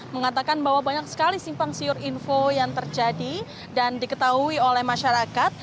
mengatakan bahwa banyak sekali simpang siur info yang terjadi dan diketahui oleh masyarakat